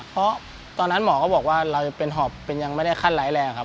เพราะตอนนั้นหมอก็บอกว่าเราเป็นหอบเป็นยังไม่ได้ขั้นร้ายแรงครับ